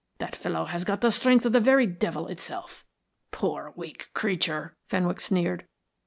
That fellow has got the strength of the very devil itself." "Poor weak creature," Fenwick sneered.